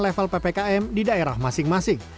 level ppkm di daerah masing masing